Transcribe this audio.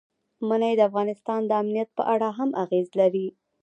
منی د افغانستان د امنیت په اړه هم اغېز لري.